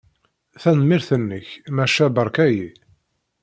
Tanemmirt-nnek, maca beṛka-iyi.